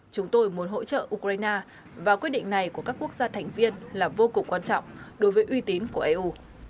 chúng tôi muốn hỗ trợ ukraine và quyết định này của các quốc gia thành viên là vô cùng quan trọng đối với uy tín của eu